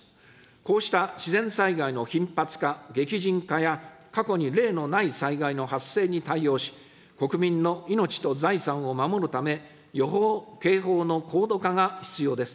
こうした自然災害の頻発化・激甚化や、過去に例のない災害の発生に対応し、国民の命と財産を守るため、予報、警報の高度化が必要です。